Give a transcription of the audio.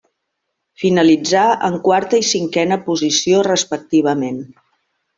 Finalitzà en quarta i cinquena posició respectivament.